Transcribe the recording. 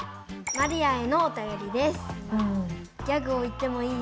マリアへのおたよりです。